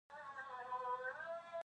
بنګړي مي شورنه کوي، روح نه لری، نه ځلیږي